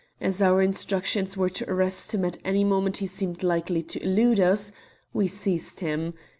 As our instructions were to arrest him at any moment he seemed likely to elude us, we seized him.